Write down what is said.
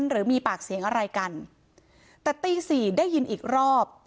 หรือมีปากเสียงอะไรกันแต่ตีสี่ได้ยินอีกรอบ